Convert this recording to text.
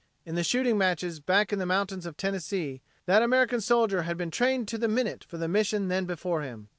In the shooting matches back in the mountains of Tennessee that American soldier had been trained to the minute for the mission then before him.